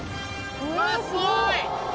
うわすごい！